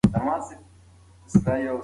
سکرین رڼا کوله.